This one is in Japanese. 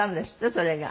それが。